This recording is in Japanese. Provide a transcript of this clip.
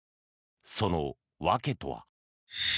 その訳とは。